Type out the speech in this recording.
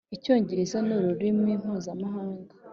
Icyongereza ni ururimi mpuzamahanga